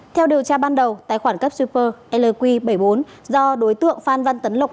theo điều tra ban đầu tài khoản cấp super lq bảy mươi bốn do đối tượng phan văn tấn lộc